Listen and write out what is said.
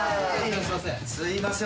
すいません。